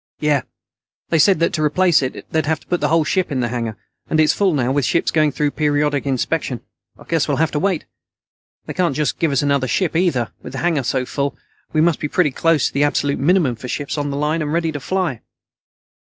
"Yeah. They said that to replace it they'd have to put the ship in the hangar, and it's full now with ships going through periodic inspection. I guess we'll have to wait. They can't just give us another ship, either. With the hangar full, we must be pretty close to the absolute minimum for ships on the line and ready to fly."